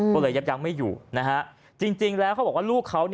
ก็เลยยับยั้งไม่อยู่นะฮะจริงแล้วเขาบอกว่าลูกเขา